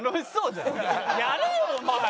やれよお前！